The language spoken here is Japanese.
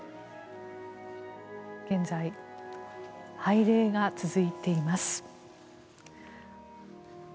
現在拝礼が続いています。